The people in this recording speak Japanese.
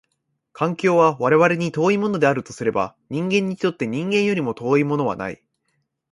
環境は我々に遠いものであるとすれば、人間にとって人間よりも遠いものはない。